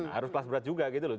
harus kelas berat juga gitu loh